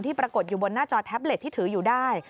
ปรากฏอยู่บนหน้าจอแท็บเล็ตที่ถืออยู่ได้